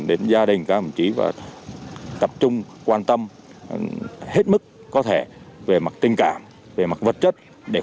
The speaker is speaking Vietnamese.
đến gia đình các đồng chí và tập trung quan tâm hết mức có thể về mặt tình cảm về mặt vật chất để